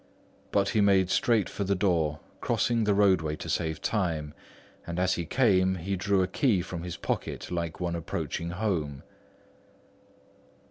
But he made straight for the door, crossing the roadway to save time; and as he came, he drew a key from his pocket like one approaching home.